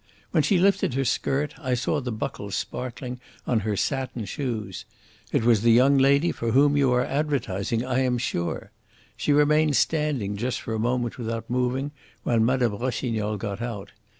When she lifted her skirt I saw the buckles sparkling on her satin shoes. It was the young lady for whom you are advertising, I am sure. She remained standing just for a moment without moving, while Mme. Rossignol got out.